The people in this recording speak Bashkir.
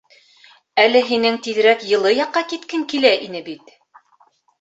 — Әле һинең тиҙерәк йылы яҡҡа киткең килә ине бит.